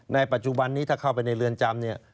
ในปัจจุบันนี้ถ้าเข้าไปในเรือนจำเนี่ย